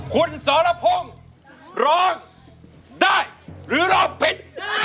คุณสรพงศ์ร้องได้หรือร้องผิด